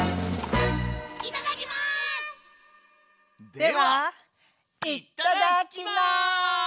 ではいただきます！